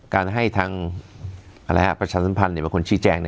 การให้ทางประชาสนภัณฑ์อยู่ในบริขุมชีแจง